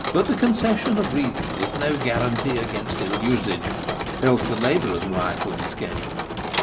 But the concession of reason is no guarantee against ill usage, else the labourer's wife would escape.